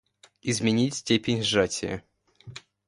Изменить степень сжатия